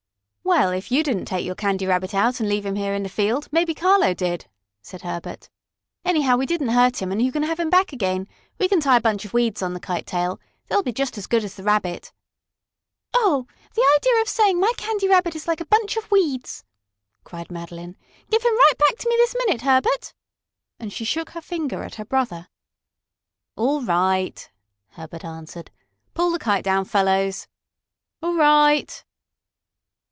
"Well, if you didn't take your Candy Rabbit out and leave him here in the field, maybe Carlo did," said Herbert. "Anyhow, we didn't hurt him and you can have him back again. We can tie a bunch of weeds on the kite tail. They'll be just as good as the Rabbit." "Oh, the idea of saying my Candy Rabbit is like a bunch of weeds!" cried Madeline. "Give him right back to me this minute, Herbert!" and she shook her finger at her brother. "All right," Herbert answered. "Pull the kite down, fellows." "All right."